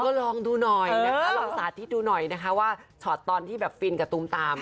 ก็ลองดูหน่อยนะคะลองสาธิตดูหน่อยนะคะว่าช็อตตอนที่แบบฟินกับตูมตาม